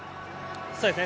そうですね。